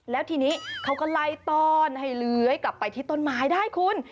แล้วทีนี้เขาก็ไล่ต้อนให้เลื้อยกลับไปที่ต้นไม้ได้คุณ